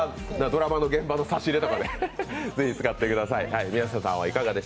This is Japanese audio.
ドラマの現場の差し入れとかぜひ使ってください。